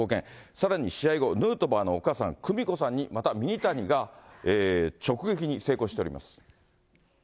さらに試合後、ヌートバーのお母さん、久美子さんに、またミニタニが直撃に成功しております。